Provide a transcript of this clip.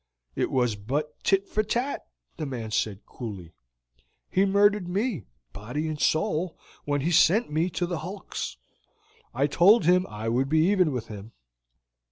"It was but tit for tat," the man said coolly; "he murdered me, body and soul, when he sent me to the hulks. I told him I would be even with him.